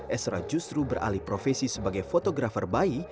esra justru beralih profesi sebagai fotografer bayi